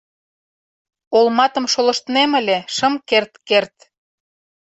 — Олматым шолыштнем ыле, шым керт-керт!